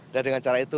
dan dengan cara itu